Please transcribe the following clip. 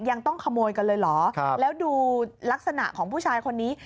ยังต้องขโมยกันเลยเหรอแล้วดูลักษณะของผู้ชายคนนี้